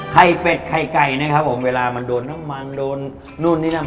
เป็ดไข่ไก่นะครับผมเวลามันโดนน้ำมันโดนนู่นนี่นั่น